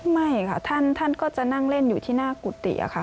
ไม่ค่ะท่านก็จะนั่งเล่นอยู่ที่หน้ากุฏิค่ะ